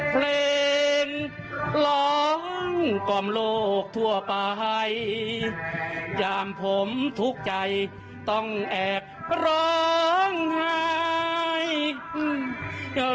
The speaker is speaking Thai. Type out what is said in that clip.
เพลงร้องกล่อมโลกทั่วไปอย่างผมทุกข์ใจต้องแอบร้องไห้